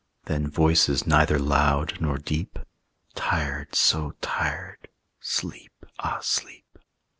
Then voices neither loud nor deep: "Tired, so tired; sleep! ah, sleep!